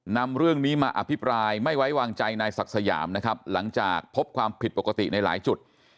นำเรื่องนี้มาอภิปรายไม่ไว้วางใจนายศักดิ์สยามนะครับหลังจากพบความผิดปกติในหลายจุด